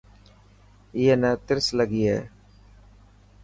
اي نا ترس لگي هي.